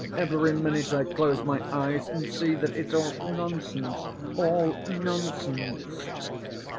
Every minute I close my eyes and see that it's all nonsense, all nonsense."